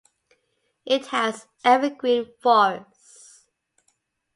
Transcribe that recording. It has evergreen forests.